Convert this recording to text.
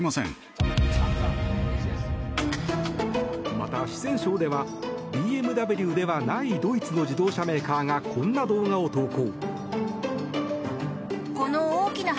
また、四川省ではＢＭＷではないドイツの自動車メーカーがこんな動画を投稿。